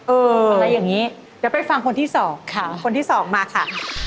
อะไรอย่างนี้เดี๋ยวไปฟังคนที่สองค่ะคนที่สองมาค่ะ